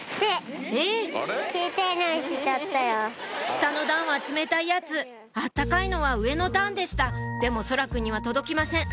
下の段は冷たいやつ温かいのは上の段でしたでも蒼空くんには届きません